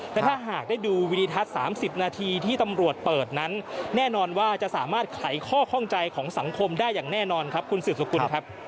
แต่ถ้าหากได้ดูวิดิทัศน์๓๐นาทีที่ตำรวจเปิดนั้นแน่นอนว่าจะสามารถไขข้อข้องใจของสังคมได้อย่างแน่นอนครับคุณสืบสกุลครับ